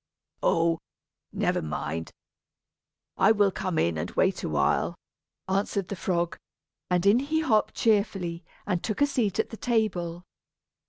"Oh! never mind. I will come in and wait awhile," answered the frog; and in he hopped cheerfully, and took a seat at the table.